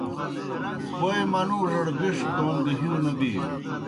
کوئے منُوڙَڑ بِݜ دون گہ ہِیؤ نہ بِینوْ۔